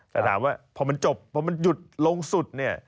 แต่ถามว่าพอมันจบพอมันหยุดลงสุดเนี่ย